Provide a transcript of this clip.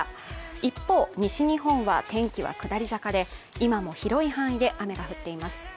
一方、西日本は天気は下り坂で、今も広い範囲で雨が降っています。